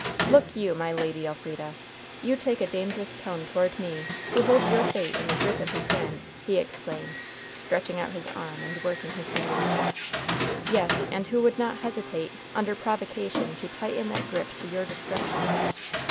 "Look you, my Lady Elfrida! You take a dangerous tone toward me who holds your fate in the grip of his hand!" he exclaimed, stretching out his arm, and working his fingers. "Yes, and who would not hesitate, under provocation, to tighten that grip to your destruction.